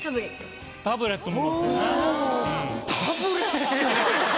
タブレットも持ってるな。